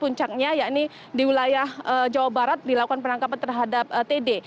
puncaknya yakni di wilayah jawa barat dilakukan penangkapan terhadap td